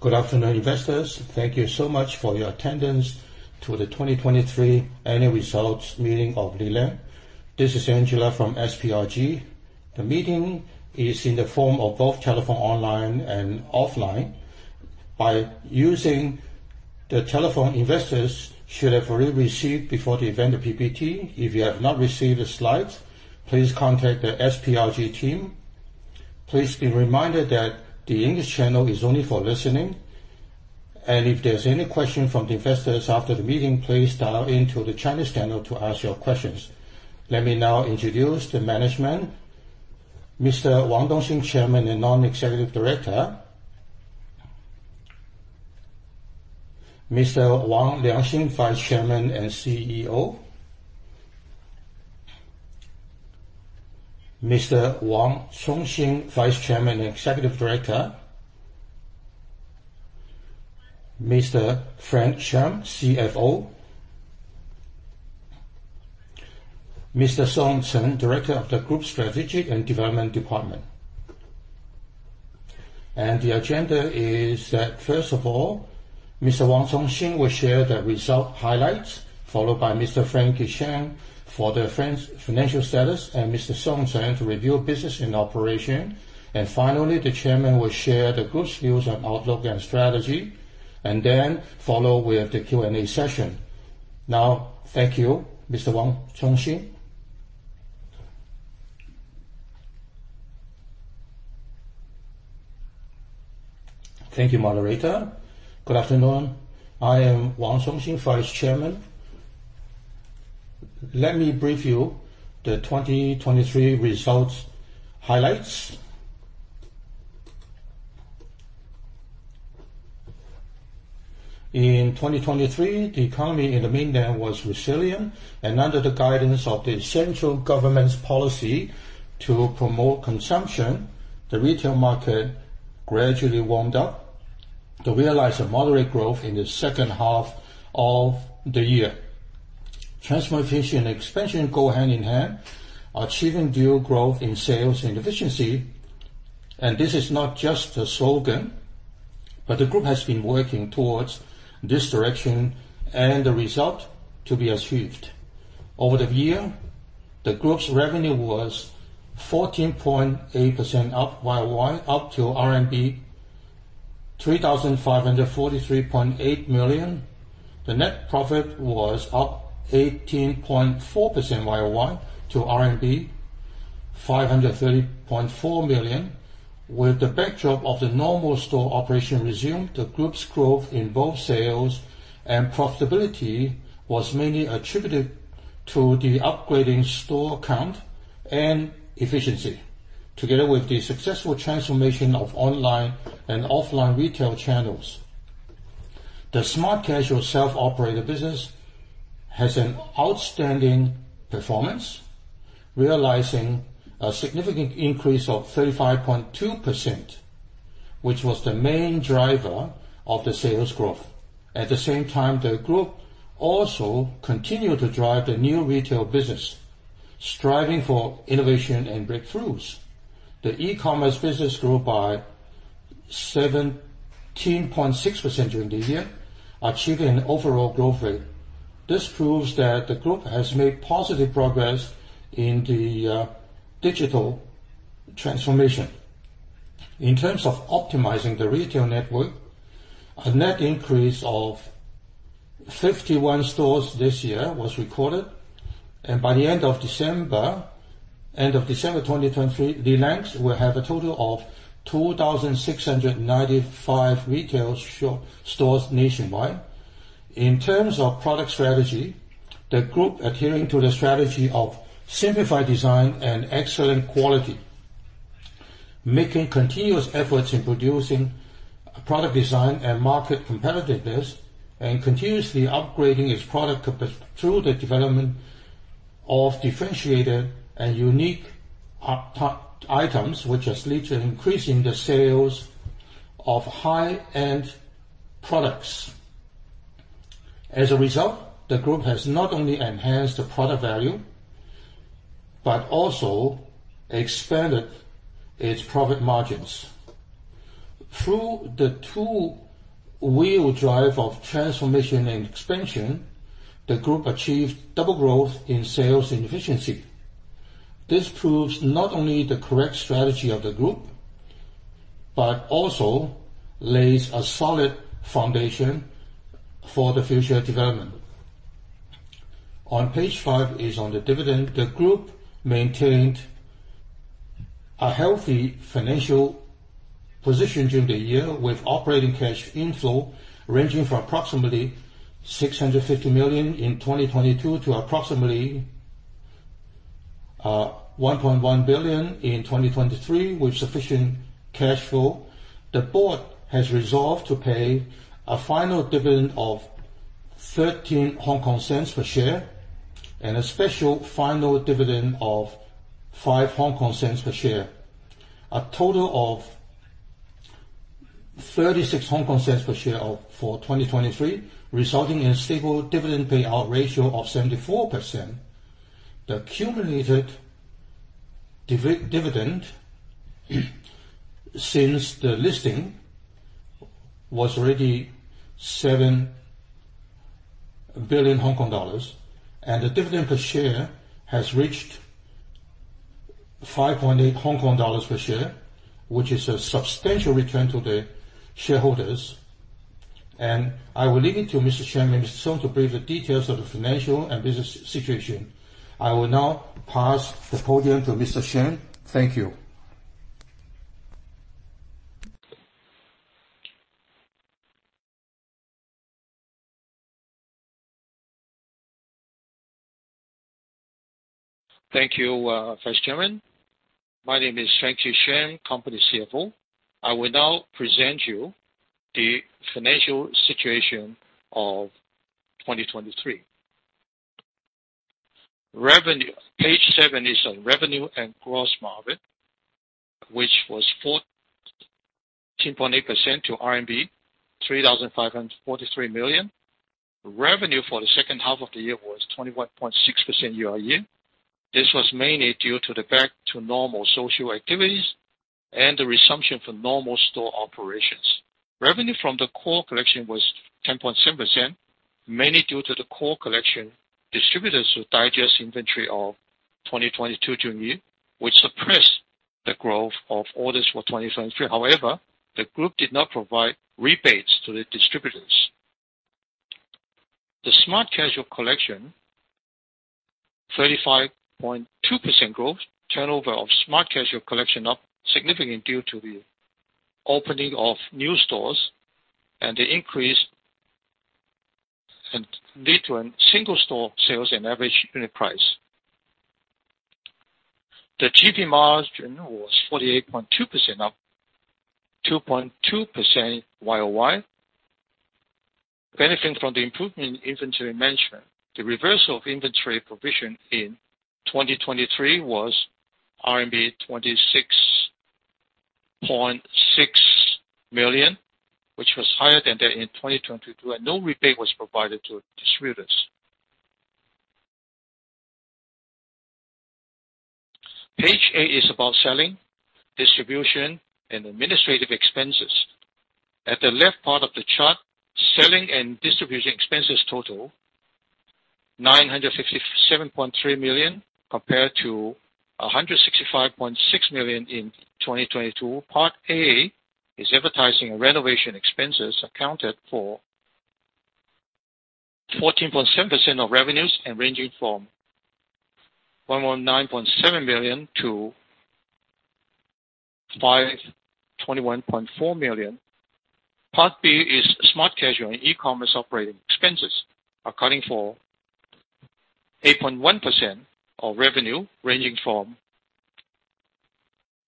Good afternoon, investors. Thank you so much for your attendance to the 2023 Annual Results Meeting of Lilang. This is Angela from SPRG. The meeting is in the form of both telephone online and offline. By using the telephone, investors should have already received before the event the PPT. If you have not received the slides, please contact the SPRG team. Please be reminded that the English channel is only for listening, and if there's any question from the investors after the meeting, please dial into the Chinese channel to ask your questions. Let me now introduce the management: Mr. Wang Dongxing, Chairman and Non-Executive Director, Mr. Wang Liangxing, Vice Chairman and CEO, Mr. Wang Congxing, Vice Chairman and Executive Director, Mr. Frankie Shum, CFO, Mr. Song Chen, Director of the Group Strategic and Development Department. The agenda is that, first of all, Mr. Wang Congxing will share the results highlights, followed by Mr. Frank Shum for the financial status, and Mr. Song Chen to review business and operation. Finally, the chairman will share the group's views on outlook and strategy, and then follow with the Q&A session. Now, thank you, Mr. Wang Congxing. Thank you, moderator. Good afternoon. I am Wang Congxing, Vice Chairman. Let me brief you the 2023 results highlights. In 2023, the economy in the mainland was resilient, and under the guidance of the central government's policy to promote consumption, the retail market gradually warmed up. There was a moderate growth in the second half of the year. Transformation and expansion go hand in hand, achieving dual growth in sales and efficiency. This is not just a slogan, but the group has been working towards this direction, and the result to be achieved. Over the year, the group's revenue was 14.8% up year-on-year to RMB 3,543.8 million. The net profit was up 18.4% year-on-year to RMB 530.4 million. With the backdrop of the normal store operation resumed, the group's growth in both sales and profitability was mainly attributed to the upgrading store count and efficiency, together with the successful transformation of online and offline retail channels. The Smart Casual self-operated business has an outstanding performance, realizing a significant increase of 35.2%, which was the main driver of the sales growth. At the same time, the group also continued to drive the New Retail business, striving for innovation and breakthroughs. The e-commerce business grew by 17.6% during the year, achieving an overall growth rate. This proves that the group has made positive progress in the digital transformation. In terms of optimizing the retail network, a net increase of 51 stores this year was recorded. By the end of December 2023, Lilang will have a total of 2,695 retail stores nationwide. In terms of product strategy, the group adheres to the strategy of simplified design and excellent quality, making continuous efforts in producing product design and market competitiveness, and continuously upgrading its product through the development of differentiated and unique items, which has led to increasing the sales of high-end products. As a result, the group has not only enhanced the product value but also expanded its profit margins. Through the two-wheel drive of transformation and expansion, the group achieved double growth in sales and efficiency. This proves not only the correct strategy of the group but also lays a solid foundation for the future development. On page five, on the dividend, the group maintained a healthy financial position during the year, with operating cash inflow ranging from approximately 650 million in 2022 to approximately 1.1 billion in 2023, with sufficient cash flow. The board has resolved to pay a final dividend of 0.13 per share and a special final dividend of 0.05 per share, a total of 0.36 per share for 2023, resulting in a stable dividend payout ratio of 74%. The accumulated dividend since the listing was already HKD 7 billion, and the dividend per share has reached 5.8 Hong Kong dollars per share, which is a substantial return to the shareholders. I will leave it to Mr. Shum and Mr. Song to brief the details of the financial and business situation. I will now pass the podium to Mr. Shum. Thank you. Thank you, Vice Chairman. My name is Frank Shum, Company CFO. I will now present you the financial situation of 2023. Page seven is on revenue and gross margin, which was 14.8% to RMB 3,543 million. Revenue for the second half of the year was 21.6% year-on-year. This was mainly due to the back-to-normal social activities and the resumption of normal store operations. Revenue from the Core Collection was 10.7%, mainly due to the Core Collection distributors who digest inventory of 2022 during the year, which suppressed the growth of orders for 2023. However, the group did not provide rebates to the distributors. The Smart Casual Collection, 35.2% growth, turnover of Smart Casual Collection up significantly due to the opening of new stores and the increase lead to a single-store sales and average unit price. The GP margin was 48.2%, up 2.2% year-on-year, benefiting from the improvement in inventory management. The reversal of inventory provision in 2023 was RMB 26.6 million, which was higher than that in 2022, and no rebate was provided to distributors. Page eight is about selling, distribution, and administrative expenses. At the left part of the chart, selling and distribution expenses total 957.3 million compared to 165.6 million in 2022. Part A is advertising and renovation expenses, accounted for 14.7% of revenues and ranging from 119.7 million-521.4 million. Part B is Smart Casual and e-commerce operating expenses, accounting for 8.1% of revenue ranging from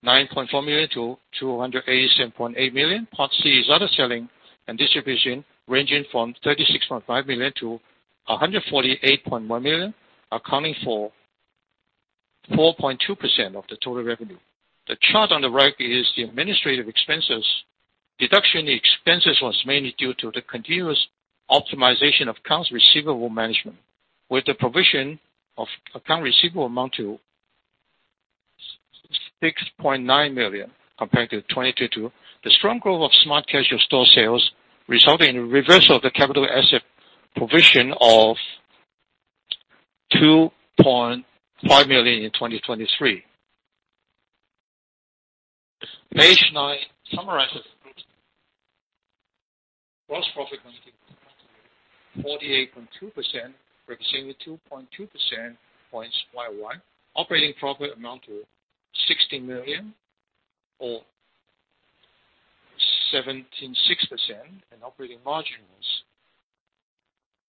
9.4 million-287.8 million. Part C is other selling and distribution, ranging from 36.5 million-148.1 million, accounting for 4.2% of the total revenue. The chart on the right is the administrative expenses. Deduction in expenses was mainly due to the continuous optimization of accounts receivable management, with the provision for accounts receivable amounted to 6.9 million compared to 2022. The strong growth of Smart Casual store sales resulted in a reversal of the capital asset provision of 2.5 million in 2023. Page nine summarizes the group's gross profit margin was 48.2%, representing 2.2 percentage points year-on-year. Operating profit amounted to 610 million or 76%, and operating margin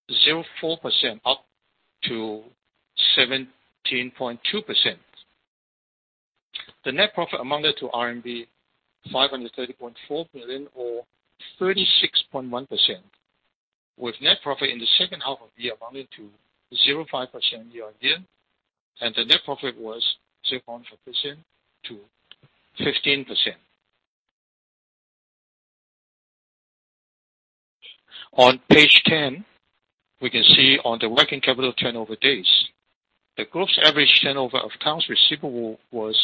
was 0.4%, up to 17.2%. The net profit amounted to RMB 530.4 million or 36.1%, with net profit in the second half of the year amounting to 0.5% year-on-year, and the net profit was 0.5% to 15%. On page 10, we can see on the working capital turnover days, the group's average turnover of accounts receivable was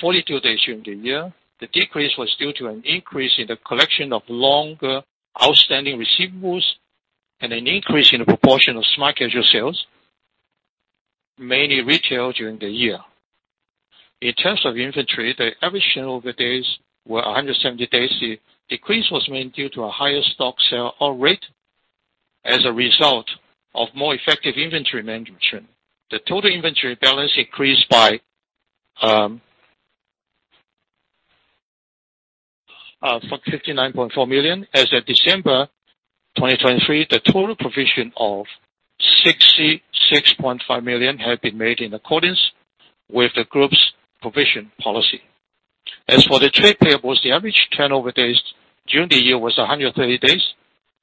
42 days during the year. The decrease was due to an increase in the collection of longer outstanding receivables and an increase in the proportion of Smart Casual sales, mainly retail, during the year. In terms of inventory, the average turnover days were 170 days. The decrease was mainly due to a higher stock sell-out rate as a result of more effective inventory management. The total inventory balance increased by 59.4 million. As of December 2023, the total provision of 66.5 million had been made in accordance with the group's provision policy. As for the trade payables, the average turnover days during the year was 130 days,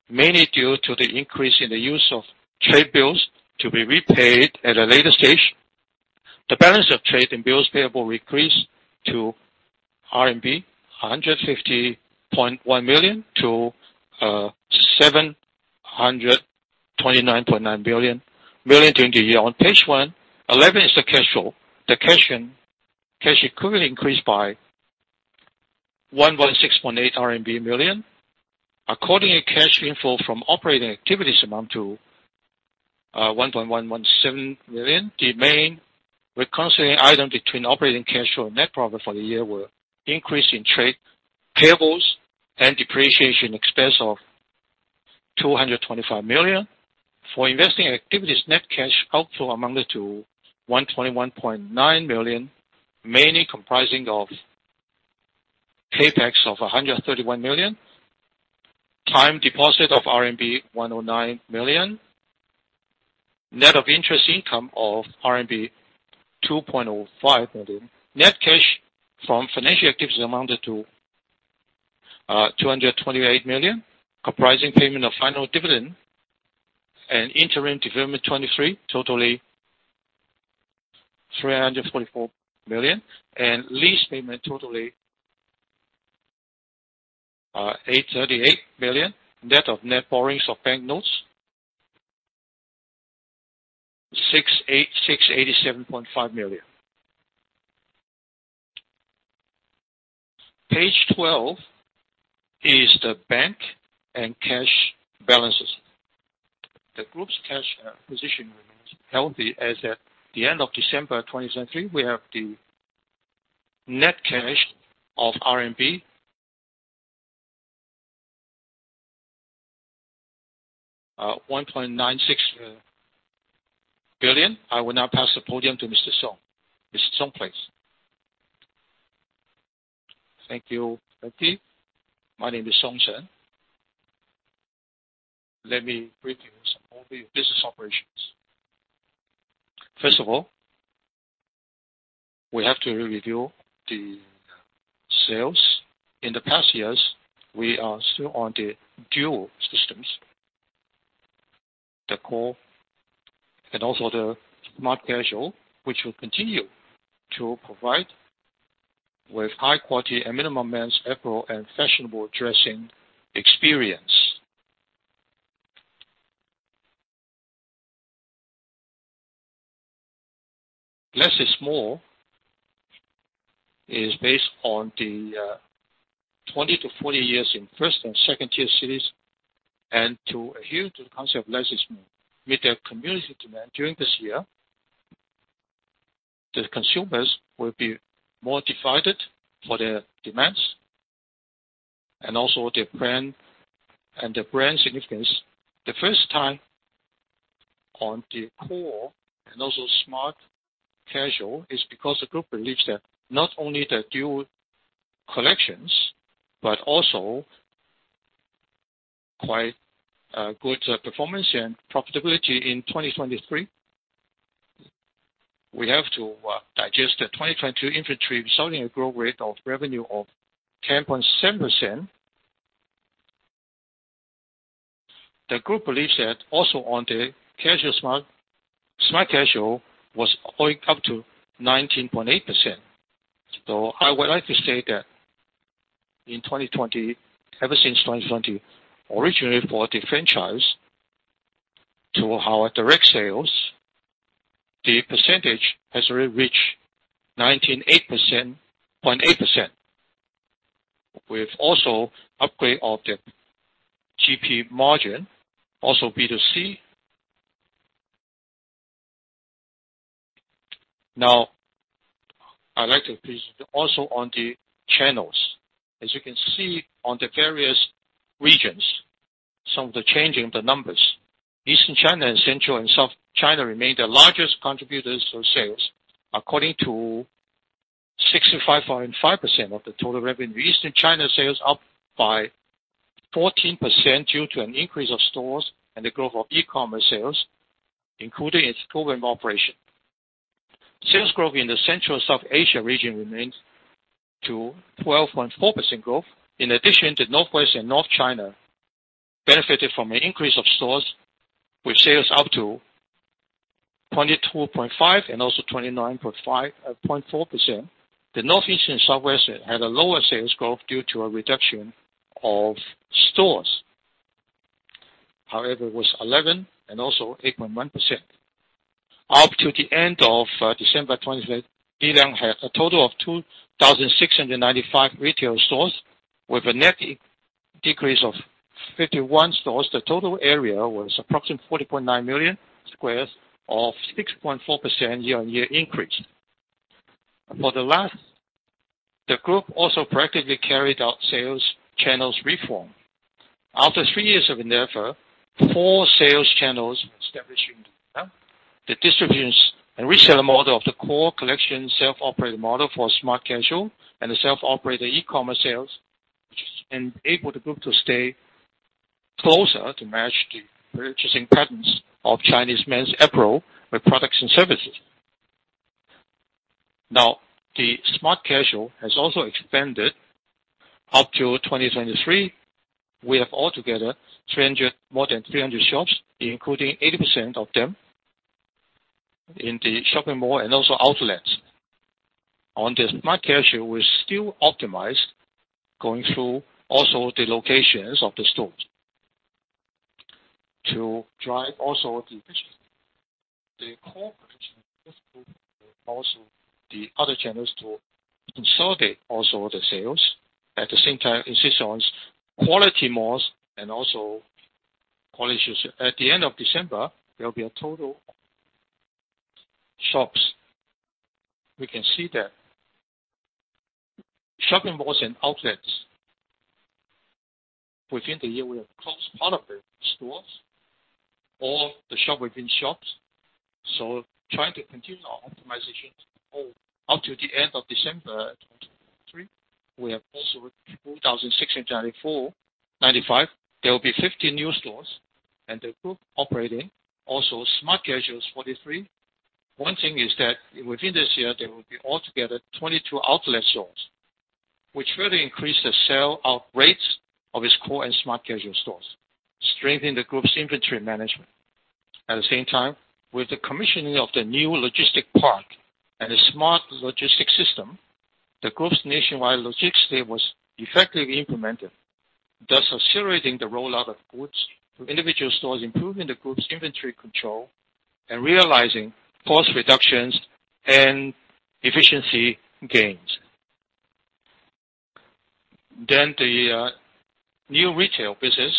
mainly due to the increase in the use of trade bills to be repaid at a later stage. The balance of trade and bills payable decreased to 150.1 million-729.9 million RMB during the year. On page 11 is the cash flow. The cash equivalents increased by 116.8 million RMB. Net cash inflow from operating activities amounted to 1,117 million. The main reconciling item between operating cash flow and net profit for the year were increase in trade payables and depreciation expense of RMB 225 million. For investing activities, net cash outflow amounted to RMB 121.9 million, mainly comprising of payments of RMB 131 million, time deposits of RMB 109 million, net of interest income of RMB 2.05 million. Net cash from financial activities amounted to 228 million, comprising payment of final dividend and interim dividend 23 million, totaling 344 million, and lease payments totaling 838 million. Net of net borrowings of bank loans RMB 687.5 million. Page 12 is the bank and cash balances. The group's cash position remains healthy. As at the end of December 2023, we have the net cash of RMB 1.96 billion. I will now pass the podium to Mr. Song. Mr. Song, please. Thank you, Frankie. My name is Song Chen. Let me brief you with some overview of business operations. First of all, we have to review the sales. In the past years, we are still on the dual systems, the core. And also the Smart Casual, which will continue to provide with high-quality and minimal men's apparel and fashionable dressing experience. LESS IS MORE is based on the 20-40 years in first and second-tier cities. And to adhere to the LESS IS MORE, meet their consumption demand during this year, the consumers will be more diversified for their demands and also their brand significance. The focus on the core and also Smart Casual is because the group believes that not only the dual collections but also quite good performance and profitability in 2023. We have to digest the 2022 inventory resulting in a growth rate of revenue of 10.7%. The group believes that also on the casual Smart Casual was going up to 19.8%. So I would like to say that in 2020, ever since 2020, originally for the franchise to our direct sales, the percentage has already reached 0.8% with also upgrade of the GP margin, also B2C. Now, I'd like to brief you also on the channels. As you can see on the various regions, some of the changing of the numbers, Eastern China and Central and South China remain the largest contributors to sales according to 65.5% of the total revenue. Eastern China sales up by 14% due to an increase of stores and the growth of e-commerce sales, including its self-owned operation. Sales growth in the Central and South China region remains to 12.4% growth. In addition, the Northwest China and North China benefited from an increase of stores with sales up to 22.5% and also 29.4%. The Northeast China and Southwest China had a lower sales growth due to a reduction of stores. However, it was 11% and also 8.1%. Up to the end of December 2023, Lilang had a total of 2,695 retail stores. With a net decrease of 51 stores, the total area was approximately 40.9 million sqm of 6.4% year-on-year increase. For the last. The group also proactively carried out sales channels reform. After three years of endeavor, four sales channels were established during the year. The distribution and reseller model of the Core Collection self-operated model for Smart Casual and the self-operated e-commerce sales enabled the group to stay closer to match the purchasing patterns of Chinese men's apparel with products and services. Now, the Smart Casual has also expanded. Up to 2023, we have altogether more than 300 shops, including 80% of them in the shopping mall and also outlets. On the Smart Casual, we still optimized going through also the locations of the stores to drive also the Core Collection of this group and also the other channels to consolidate also the sales. At the same time, insist on quality malls and also quality shops. At the end of December, there will be a total of shops. We can see that shopping malls and outlets within the year, we have closed part of the stores or the shop within shops. So trying to continue our optimization up to the end of December 2023, we have also 2,695. There will be 50 new stores and the group operating also Smart Casual 43. One thing is that within this year, there will be altogether 22 outlet stores, which further increased the sell-out rates of its core and Smart Casual stores, strengthening the group's inventory management. At the same time, with the commissioning of the new logistic park and the smart logistic system, the group's nationwide logistics state was effectively implemented, thus accelerating the rollout of goods to individual stores, improving the group's inventory control, and realizing cost reductions and efficiency gains. Then the New Retail business,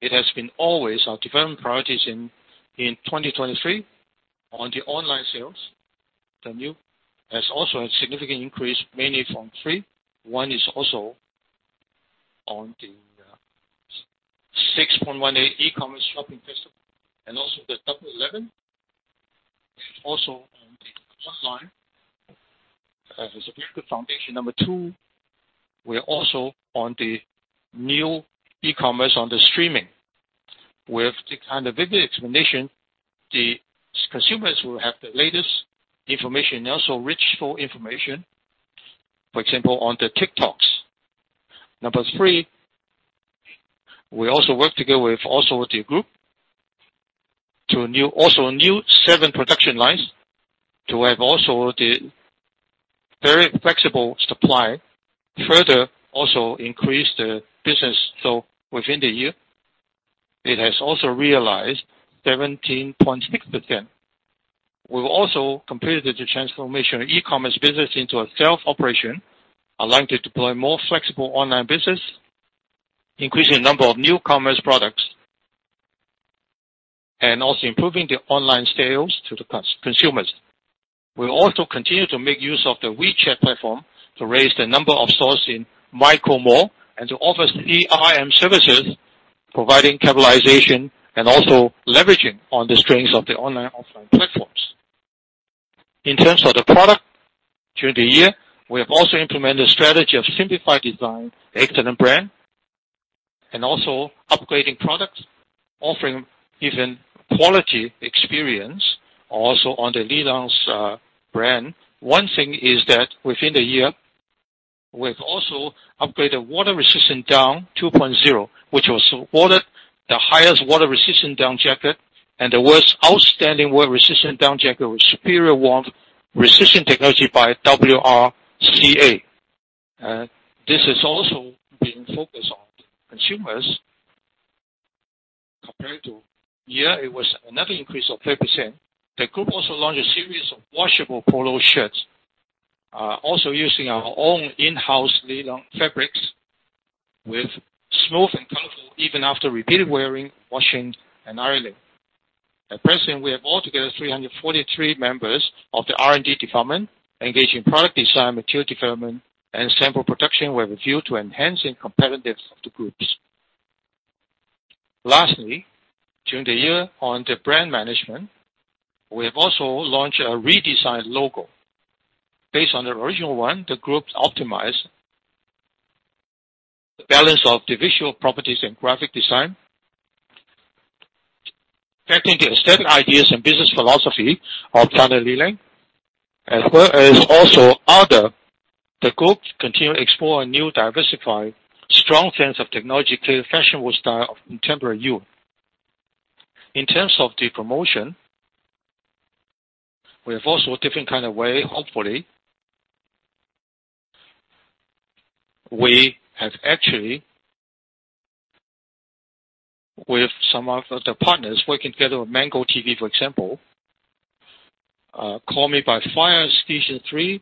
it has been always our development priorities in 2023 on the online sales. The new has also had significant increase, mainly from three. One is also on the 618 e-commerce shopping festival. And also the Double 11, also on the online has a very good foundation. Number two, we are also on the new e-commerce on the streaming. With the kind of vivid explanation, the consumers will have the latest information and also rich full information, for example, on the TikTok. Number three, we also work together with also the group to also new smart production lines to have also the very flexible supply, further also increase the business. So within the year, it has also realized 17.6%. We've also completed the transformation of e-commerce business into a self-operation, allowing to deploy more flexible online business, increasing the number of new commerce products, and also improving the online sales to the consumers. We also continue to make use of the WeChat platform to raise the number of stores in micro mall and to offer CRM services, providing personalization and also leveraging on the strengths of the online-offline platforms. In terms of the product during the year, we have also implemented a strategy of simplified design, excellent brand, and also upgrading products, offering even quality experience. Also on the Lilang's brand, one thing is that within the year, we have also upgraded Water Resistant Down 2.0, which was awarded the world's highest water resistance down jacket and the world's outstanding water resistance down jacket with superior warmth resistance technology by WRCA. This has also been focused on consumers compared to year. It was another increase of 30%. The group also launched a series of washable polo shirts, also using our own in-house Lilang fabrics with smooth and colorful even after repeated wearing, washing, and ironing. At present, we have altogether 343 members of the R&D department engaged in product design, material development, and sample production with a view to enhancing competitiveness of the group. Lastly, during the year on the brand management, we have also launched a redesigned logo. Based on the original one, the group optimized the balance of the visual properties and graphic design, backing the aesthetic ideas and business philosophy of China Lilang, as well as also other. The group continues to explore a new diversified strong sense of technology-clear fashionable style of contemporary youth. In terms of the promotion, we have also a different kind of way. Hopefully, we have actually with some of the partners working together with Mango TV, for example, Call Me by Fire, Season 3,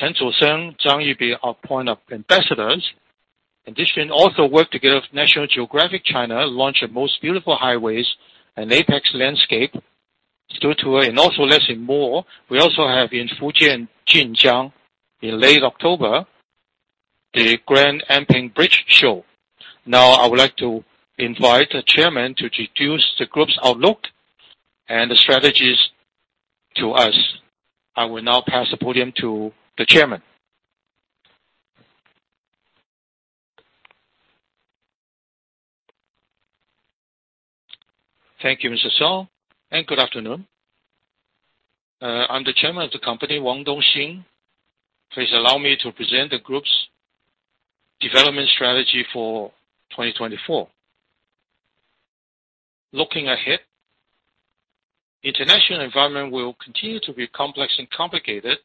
Chen Chusheng, Zhang Yuan, our brand ambassadors. In addition, also work together with National Geographic China, launched the Most Beautiful Highways and epic landscape style tour and also LESS IS MORE. We also have in Fujian and Jinjiang in late October, the grand Anping Bridge show. Now, I would like to invite the chairman to introduce the group's outlook and the strategies to us. I will now pass the podium to the chairman. Thank you, Mr. Song, and good afternoon. I'm the chairman of the company, Wang Dongxing. Please allow me to present the group's development strategy for 2024. Looking ahead, the international environment will continue to be complex and complicated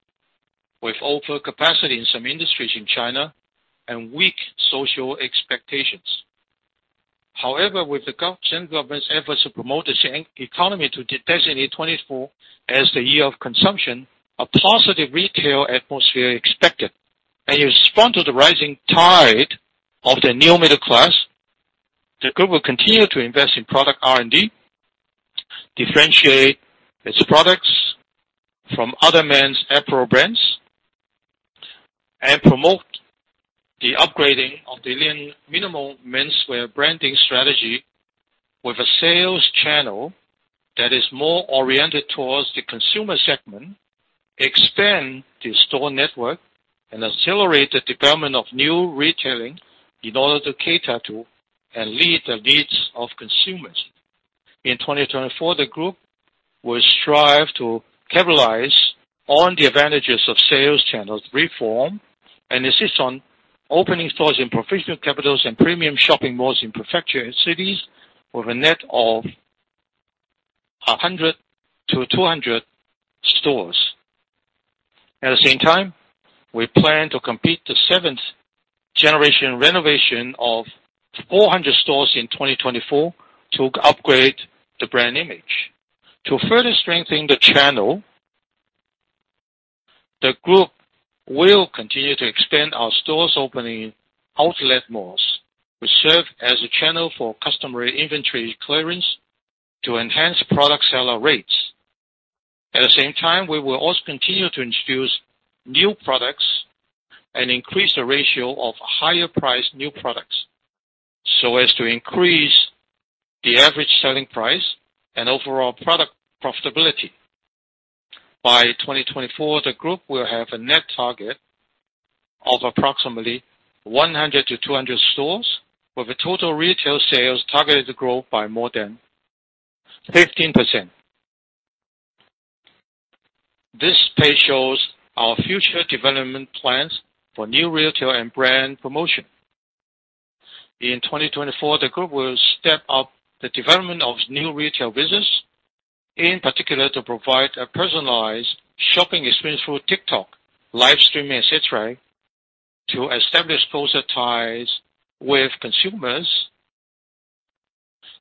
with overcapacity in some industries in China and weak social expectations. However, with the central government's efforts to promote the economy to designate 2024 as the year of consumption, a positive retail atmosphere is expected. In response to the rising tide of the new middle class, the group will continue to invest in product R&D, differentiate its products from other men's apparel brands, and promote the upgrading of the Lilang minimal menswear branding strategy with a sales channel that is more oriented towards the consumer segment, expand the store network, and accelerate the development of New Retail in order to cater to and lead the needs of consumers. In 2024, the group will strive to capitalize on the advantages of sales channel reform and insist on opening stores in provincial capitals and premium shopping malls in prefecture cities with a net of 100-200 stores. At the same time, we plan to complete the seventh-generation renovation of 400 stores in 2024 to upgrade the brand image. To further strengthen the channel, the group will continue to expand our stores opening outlet malls, which serve as a channel for customer inventory clearance to enhance product sell-out rates. At the same time, we will also continue to introduce new products and increase the ratio of higher-priced new products so as to increase the average selling price and overall product profitability. By 2024, the group will have a net target of approximately 100-200 stores with a total retail sales targeted to grow by more than 15%. This page shows our future development plans for New Retail and brand promotion. In 2024, the group will step up the development of New Retail business, in particular to provide a personalized shopping experience through TikTok, live streaming, etc., to establish closer ties with consumers,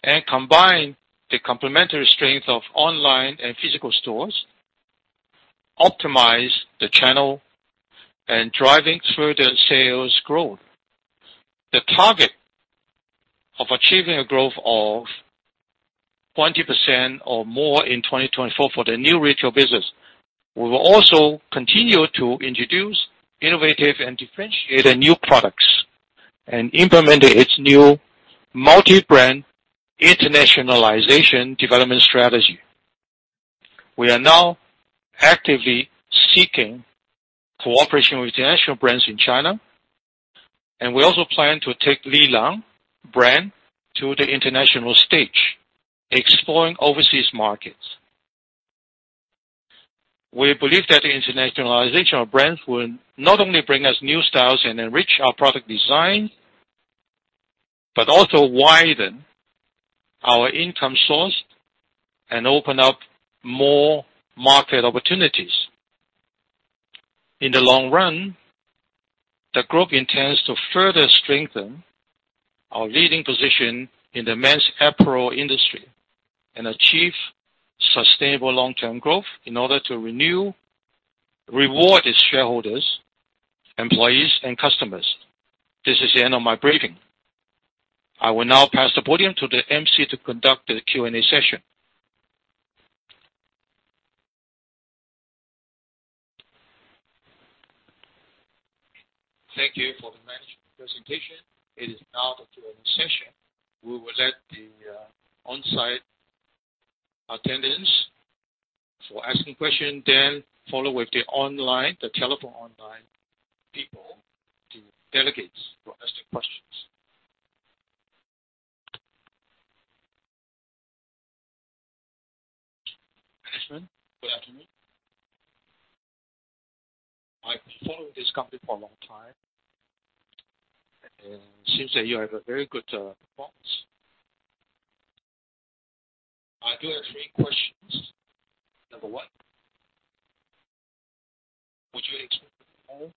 and combine the complementary strength of online and physical stores, optimize the channel, and drive further sales growth. The target of achieving a growth of 20% or more in 2024 for the New Retail business. We will also continue to introduce innovative and differentiated new products and implement its new multi-brand internationalization development strategy. We are now actively seeking cooperation with international brands in China, and we also plan to take Lilang brand to the international stage, exploring overseas markets. We believe that the internationalization of brands will not only bring us new styles and enrich our product design but also widen our income source and open up more market opportunities. In the long run, the group intends to further strengthen our leading position in the men's apparel industry and achieve sustainable long-term growth in order to reward its shareholders, employees, and customers. This is the end of my briefing. I will now pass the podium to the MC to conduct the Q&A session. Thank you for the management presentation. It is now the Q&A session. We will let the onsite attendees ask questions, then follow with the telephone online people, the delegates, for asking questions. Management, good afternoon. I've been following this company for a long time, and it seems that you have a very good response. I do have three questions. Number one, would you expect more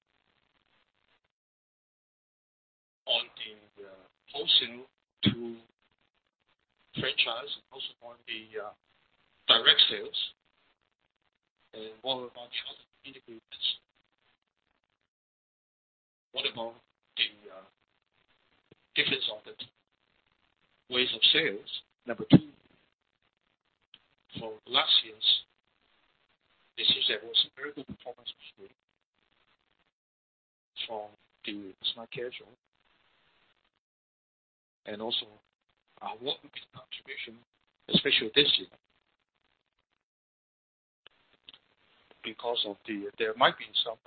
on the wholesale to franchise and also on the direct sales? And what about the other integrations? What about the difference of the ways of sales? Number two, for last years, it seems there was a very good performance this year from the Smart Casual. And also what will be the contribution, especially this year, because there might be some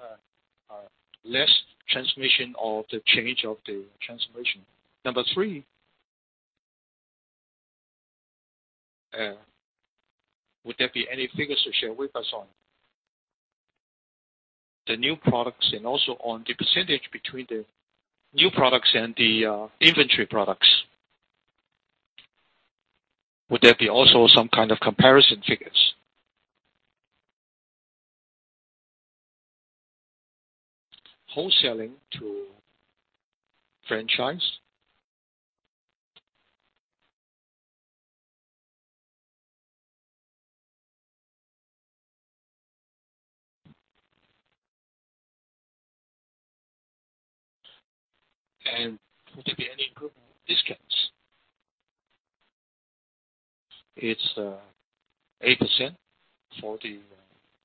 less transmission of the change of the transformation? Number three, would there be any figures to share with us on the new products and also on the percentage between the new products and the inventory products? Would there be also some kind of comparison figures? Wholesaling to franchise? And would there be any improvement on discounts? It's 8% for the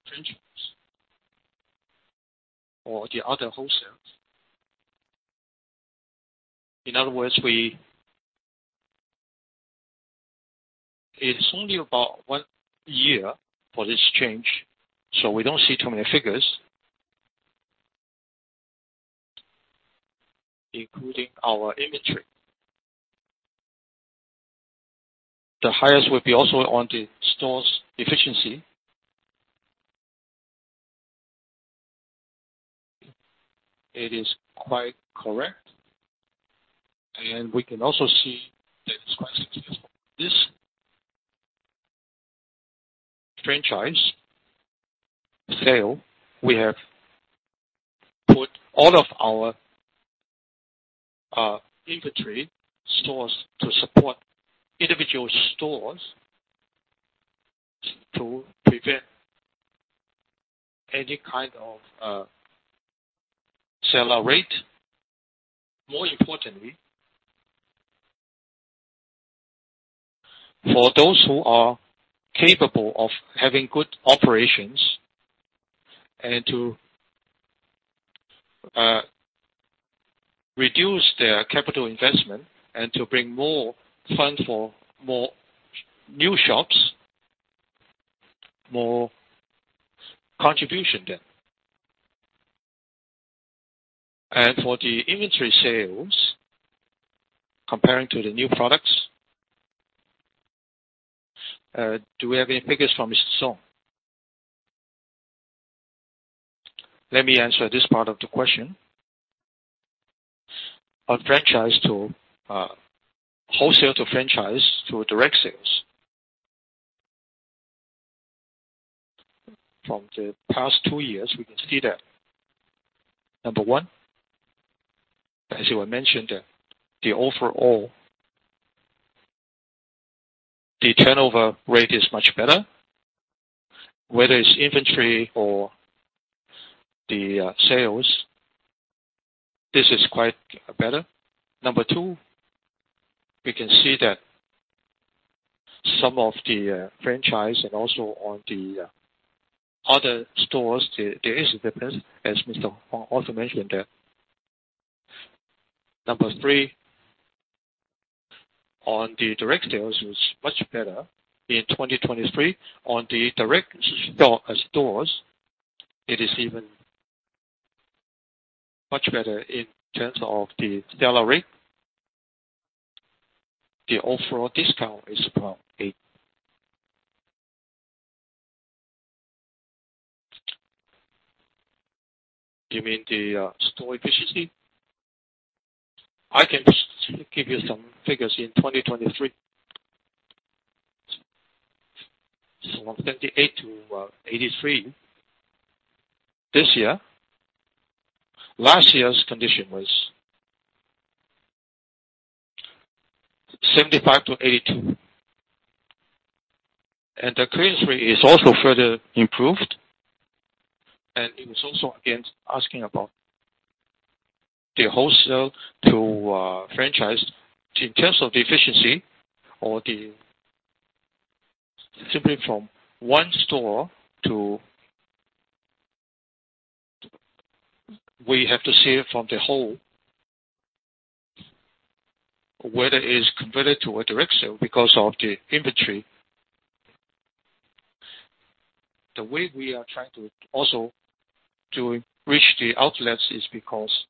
franchise or the other wholesales. In other words, it's only about one year for this change, so we don't see too many figures, including our inventory. The highest would be also on the stores' efficiency. It is quite correct. And we can also see that it's quite successful. This franchise sale, we have put all of our inventory stores to support individual stores to prevent any kind of sell-out rate. More importantly, for those who are capable of having good operations and to reduce their capital investment and to bring more funds for more new shops, more contribution then. And for the inventory sales, comparing to the new products, do we have any figures from Mr. Song? Let me answer this part of the question. On wholesale to franchise to direct sales, from the past two years, we can see that. Number one, as you had mentioned, that the overall turnover rate is much better, whether it's inventory or the sales. This is quite better. Number two, we can see that some of the franchise and also on the other stores, there is a difference, as Mr. Song also mentioned that. Number three, on the direct sales, it was much better. In 2023, on the direct stores, it is even much better in terms of the sell-out rate. The overall discount is about 8%. You mean the store efficiency? I can give you some figures in 2023. From 78%-83% this year. Last year's condition was 75%-82%. The clearance rate is also further improved. It was also again asking about the wholesale to franchise in terms of the efficiency or simply from one store to we have to see it from the whole, whether it's converted to a direct sale because of the inventory. The way we are trying to also reach the outlets is because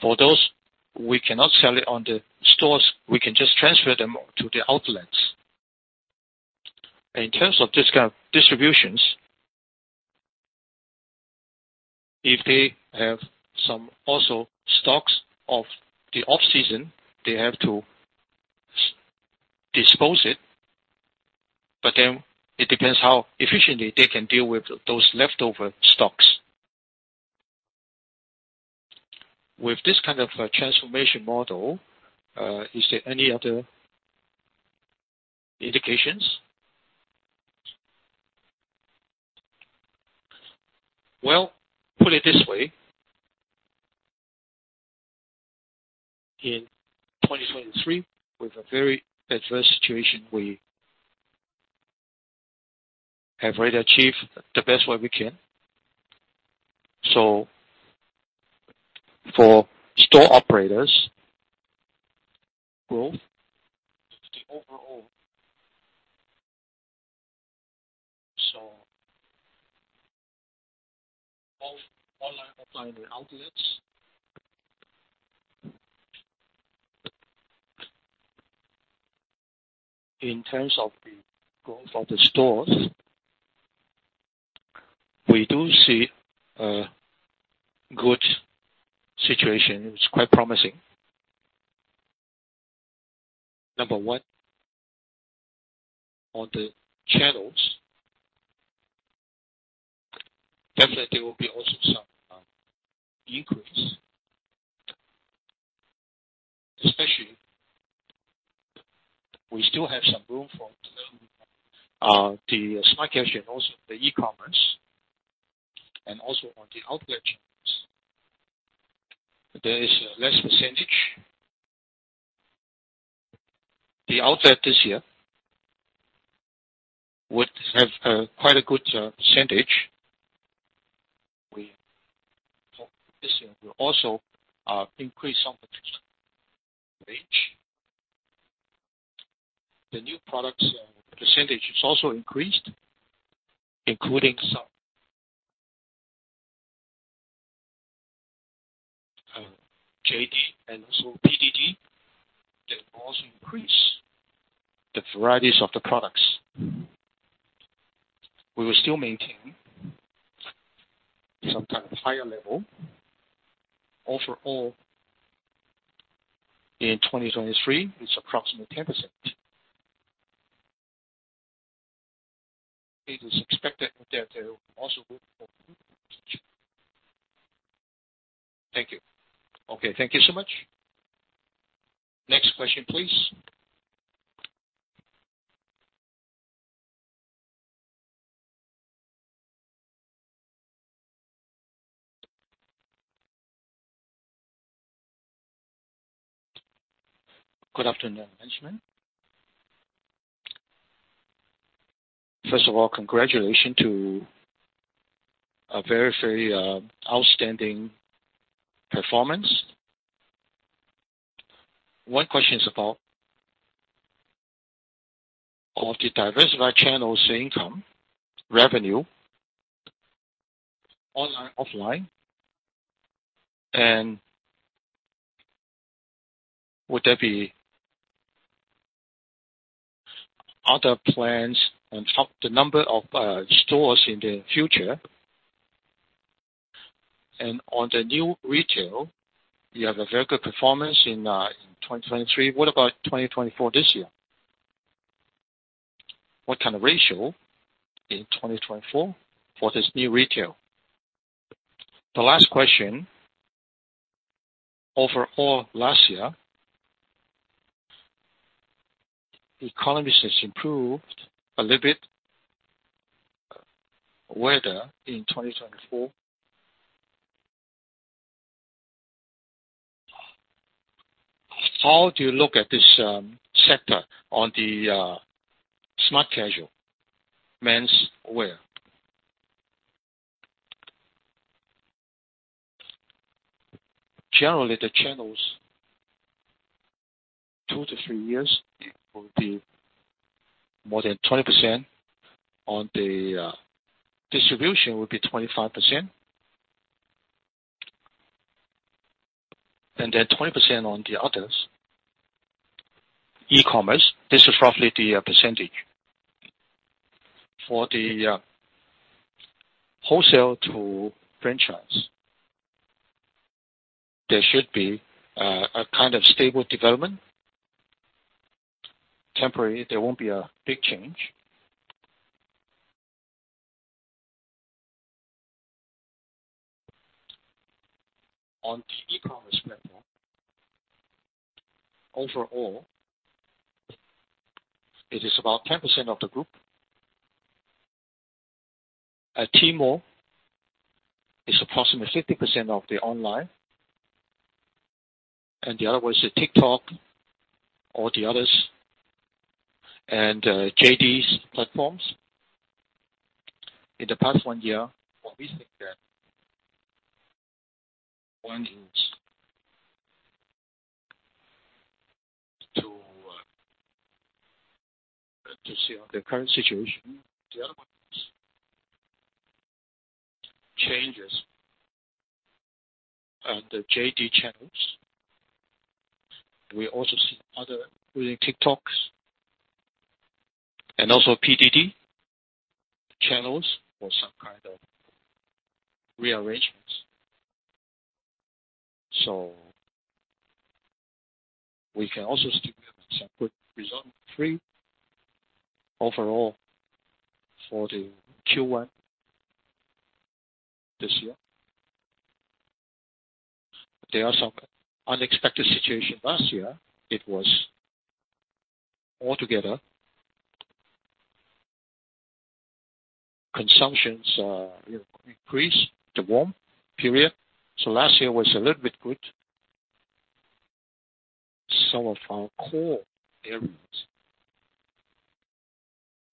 for those, we cannot sell it on the stores. We can just transfer them to the outlets. In terms of these kind of distributions, if they have some also stocks of the off-season, they have to dispose it. But then it depends how efficiently they can deal with those leftover stocks. With this kind of transformation model, is there any other indications? Well, put it this way. In 2023, with a very adverse situation, we have already achieved the best way we can. So for store operators' growth, the overall so both online, offline, and outlets, in terms of the growth of the stores, we do see a good situation. It was quite promising. Number one, on the channels, definitely, there will be also some increase, especially we still have some room for development. The Smart Casual and also the e-commerce and also on the outlet channels, there is a less percentage. The outlet this year would have quite a good percentage. This year will also increase some percentage. The new products percentage is also increased, including some JD and also PDD. That will also increase the varieties of the products. We will still maintain some kind of higher level. Overall, in 2023, it's approximately 10%. It is expected that there will also be more improvement in the future. Thank you. Okay. Thank you so much. Next question, please. Good afternoon, management. First of all, congratulations to a very, very outstanding performance. One question is about all of the diversified channels of income, revenue, online, offline. And would there be other plans on the number of stores in the future? And on the New Retail, you have a very good performance in 2023. What about 2024 this year? What kind of ratio in 2024 for this New Retail? The last question, overall, last year, economies has improved a little bit better in 2024. How do you look at this sector on the Smart Casual men's wear? Generally, the channels, two to three years, it will be more than 20%. On the distribution, it will be 25% and then 20% on the others, e-commerce. This is roughly the percentage. For the wholesale to franchise, there should be a kind of stable development. Temporarily, there won't be a big change. On the e-commerce platform, overall, it is about 10% of the group. Tmall is approximately 50% of the online. The other one is TikTok or the others and JD's platforms. In the past 1 year, what we think that one is to see on the current situation. The other one is changes on the JD channels. We also see others including TikTok's and also PDD channels for some kind of rearrangements. So we can also still give an example. Reason three, overall for the Q1 this year. There are some unexpected situations. Last year, it was altogether consumptions increased, the warm period. So last year was a little bit good. Some of our core areas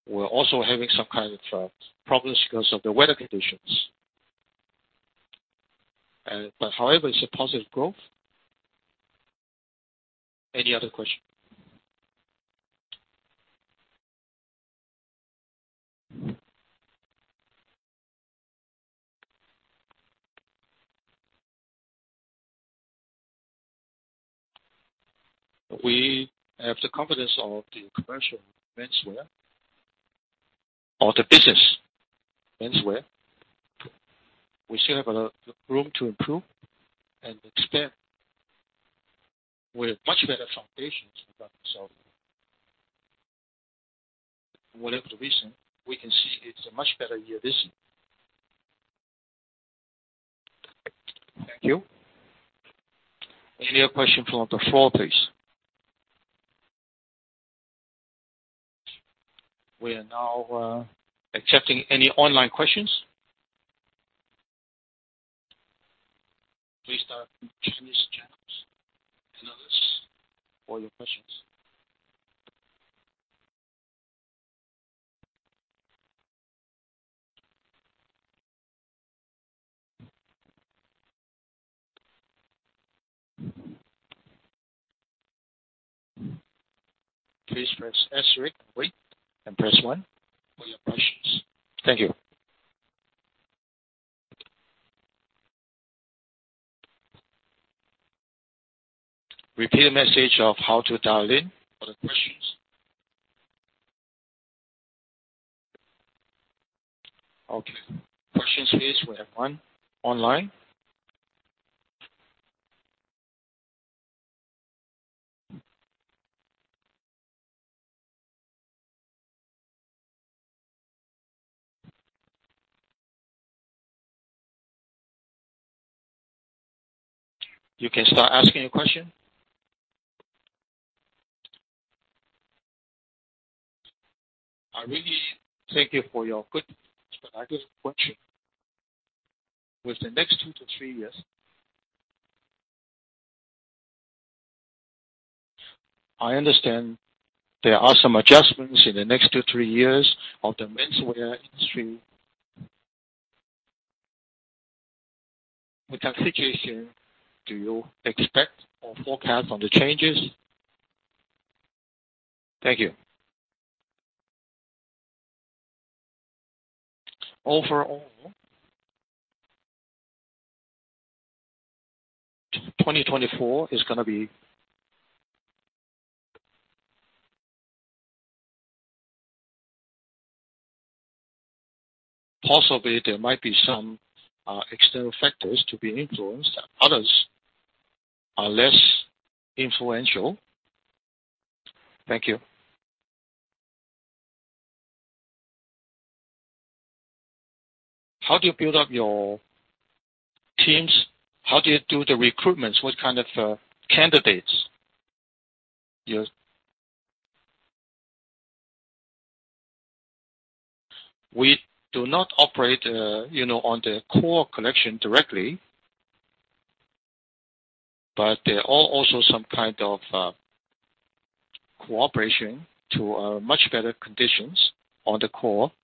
were also having some kind of problems because of the weather conditions. But however, it's a positive growth. Any other question? We have the confidence of the commercial menswear or the business menswear. We still have a lot of room to improve and expand with much better foundations regarding selling. Whatever the reason, we can see it's a much better year this year. Thank you. Any other question from the floor, please? We are now accepting any online questions. Please start Chinese channels, analysts, for your questions. Please press S, wait, and press one for your questions. Thank you. Repeat the message of how to dial in for the questions. Okay. Questions, please. We have one online. You can start asking your question. I really thank you for your good strategic question. With the next two to three years, I understand there are some adjustments in the next two to three years of the menswear industry. With that situation, do you expect or forecast on the changes? Thank you. Overall, 2024 is going to be possibly there might be some external factors to be influenced. Others are less influential. Thank you. How do you build up your teams? How do you do the recruitments? What kind of candidates? We do not operate on the Core Collection directly, but there are also some kind of cooperation to much better conditions on the Core Collection.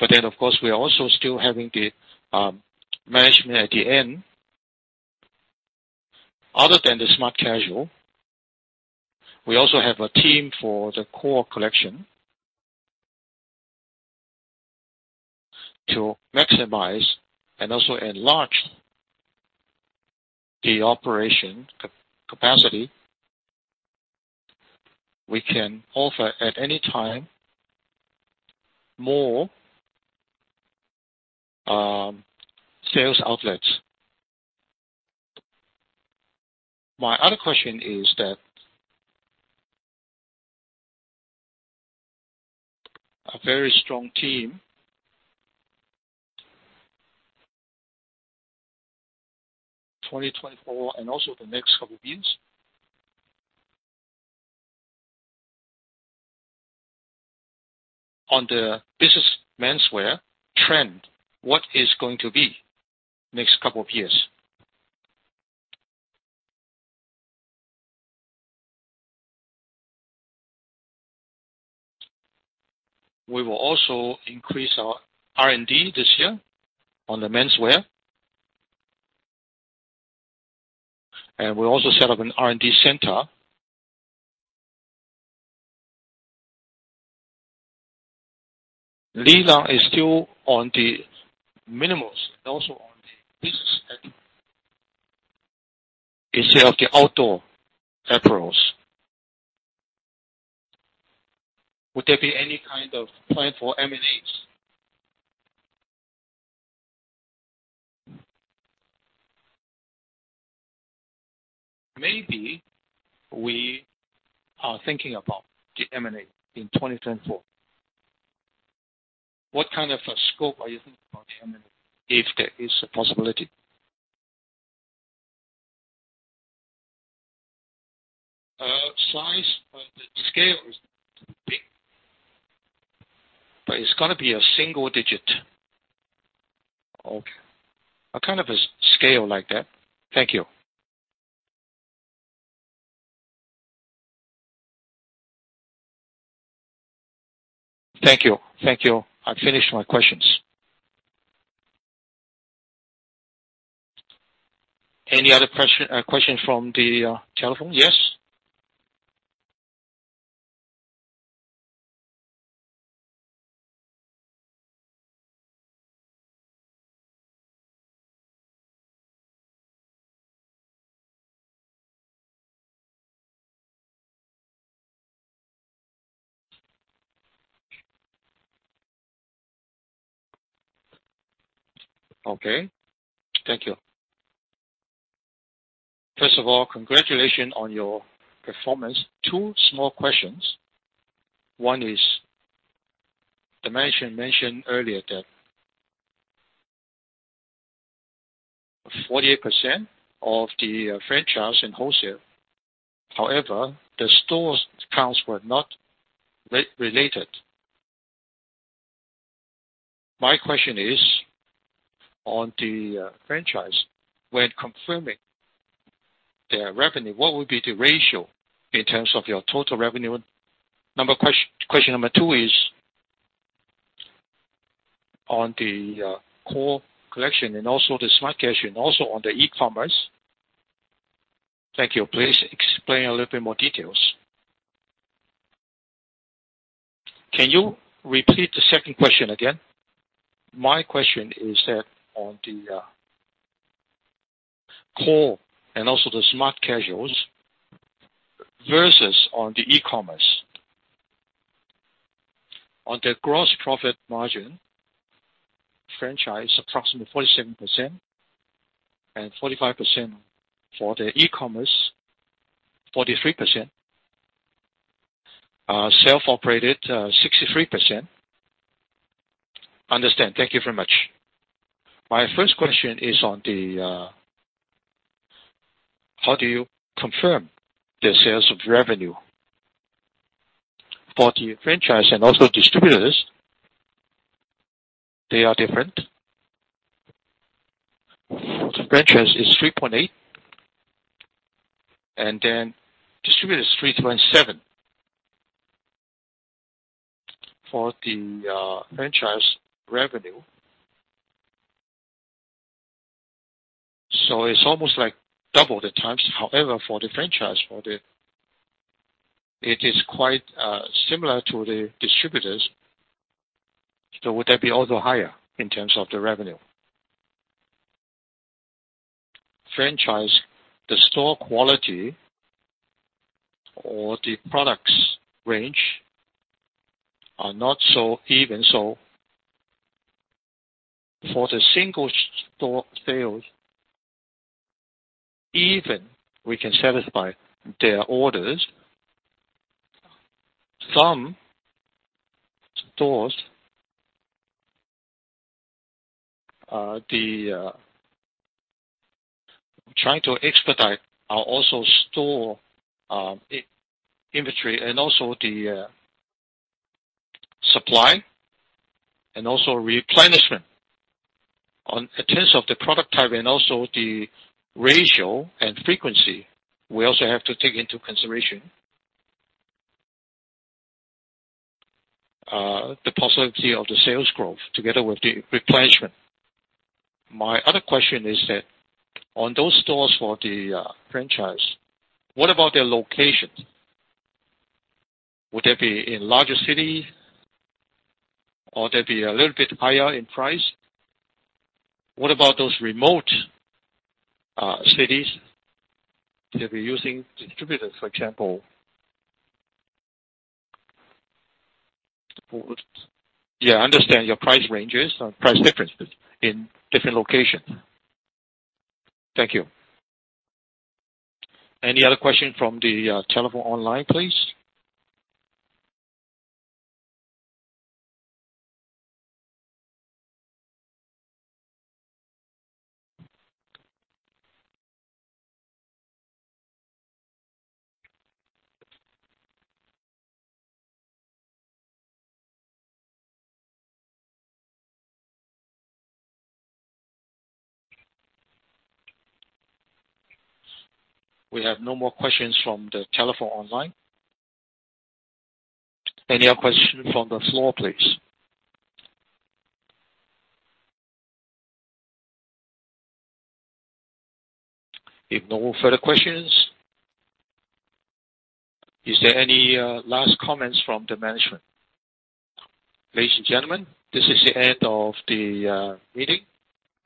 But then, of course, we are also still having the management at the end. Other than the Smart Casual, we also have a team for the Core Collection to maximize and also enlarge the operation capacity. We can offer at any time more sales outlets. My other question is that a very strong team 2024 and also the next couple of years on the business menswear trend, what is going to be next couple of years? We will also increase our R&D this year on the menswear. And we also set up an R&D center. Lilang is still on the minimals and also on the business instead of the outdoor apparels. Would there be any kind of plan for M&As? Maybe we are thinking about the M&A in 2024. What kind of scope are you thinking about the M&A if there is a possibility? The scale is big, but it's going to be a single digit. Okay. A kind of a scale like that. Thank you. Thank you. Thank you. I've finished my questions. Any other questions from the telephone? Yes? Okay. Thank you. First of all, congratulations on your performance. Two small questions. One is the management mentioned earlier that 48% of the franchise in wholesale. However, the store accounts were not related. My question is on the franchise, when confirming their revenue, what will be the ratio in terms of your total revenue? Question number two is on the Core Collection and also the Smart Casual and also on the e-commerce. Thank you. Please explain a little bit more details. Can you repeat the second question again? My question is that on the core and also the Smart Casuals versus on the e-commerce, on the gross profit margin, franchise approximately 47% and 45% for the e-commerce, 43%, self-operated, 63%. Understand. Thank you very much. My first question is on the how do you confirm the sales of revenue? For the franchise and also distributors, they are different. For the franchise, it's 3.8, and then distributors, 3.7 for the franchise revenue. So it's almost like double the times. However, for the franchise, it is quite similar to the distributors. So would that be also higher in terms of the revenue? The store quality or the products range are not so even. So for the single store sales, even we can satisfy their orders. Some stores, trying to expedite our also store inventory and also the supply and also replenishment in terms of the product type and also the ratio and frequency, we also have to take into consideration the possibility of the sales growth together with the replenishment. My other question is that on those stores for the franchise, what about their location? Would that be in larger city or that be a little bit higher in price? What about those remote cities? They'll be using distributors, for example. Yeah. I understand your price ranges, price differences in different locations. Thank you. Any other question from the telephone online, please? We have no more questions from the telephone online. Any other questions from the floor, please? If no further questions, is there any last comments from the management? Ladies and gentlemen, this is the end of the meeting.